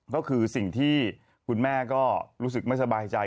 ก็คือสิ่งที่คุณแม่ก็รู้สึกไม่สบายใจ